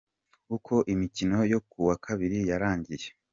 Uko imikino yo kuwa Kabiri yarangiye:.